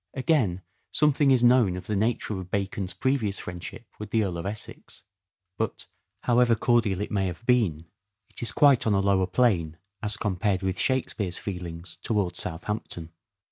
Again, something is known of the nature of Bacon's previous friendship with the Earl of Essex ; but, however cordial it may have been, it is quite on a lower plane as compared with " Shakespeare's" feelings towards Southampton.